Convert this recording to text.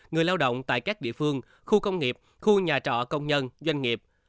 người lao động tại các địa phương khu công nghiệp khu nhà trọ công nhân doanh nghiệp